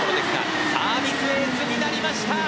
サービスエースになりました！